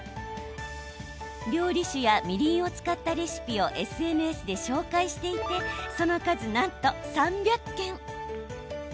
料理酒やみりんを使ったレシピをＳＮＳで紹介していてその数、なんと３００件。